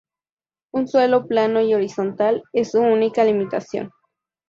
Un suelo plano y horizontal es su única limitación.